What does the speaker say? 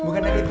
bukan yang itu